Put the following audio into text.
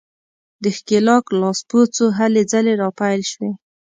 د ښکېلاک لاسپوڅو هلې ځلې راپیل شوې.